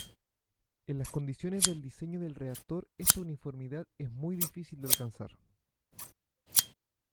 En las condiciones del diseño del reactor esta uniformidad es muy difícil de alcanzar.